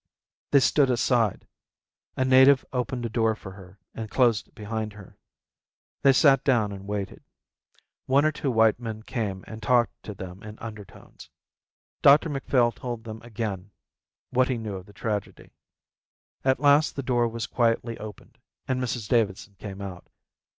They stood aside. A native opened a door for her and closed it behind her. They sat down and waited. One or two white men came and talked to them in undertones. Dr Macphail told them again what he knew of the tragedy. At last the door was quietly opened and Mrs Davidson came out.